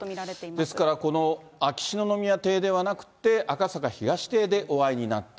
ですから、この秋篠宮邸ではなくて、赤坂東邸でお会いになった。